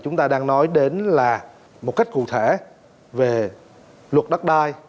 chúng ta đang nói đến là một cách cụ thể về luật đất đai